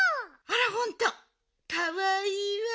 あらほんとうかわいいわね。